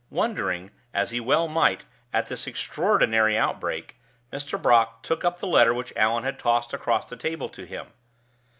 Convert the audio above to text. Wondering, as he well might, at this extraordinary outbreak, Mr. Brock took up the letter which Allan had tossed across the table to him.